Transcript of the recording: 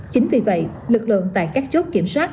chính vì vậy lực lượng tại các chốt kiểm soát